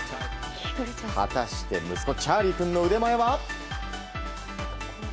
果たして息子チャーリー君の腕前は。